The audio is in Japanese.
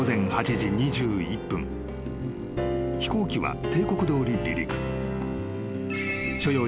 ［飛行機は定刻どおり離陸］